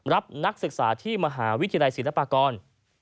นักศึกษาที่มหาวิทยาลัยศิลปากร